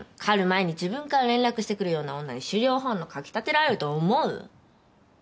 狩る前に自分から連絡してくるような女に狩猟本能かき立てられると思う？